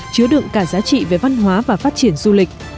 chứa đựng cả giá trị về văn hóa và phát triển du lịch